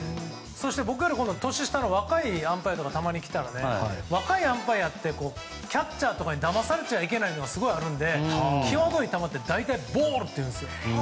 僕より年下の若いアンパイアが来たら若いアンパイアってキャッチャーとかにだまされちゃいけないというのがあるので、きわどいボールを大体、ボールっていうんですよ。